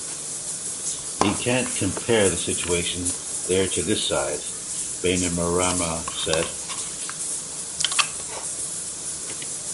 He can't compare the situation there to this side, Bainimarama said.